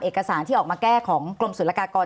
เอกสารที่ออกมาแก้ของกรมศุลกากร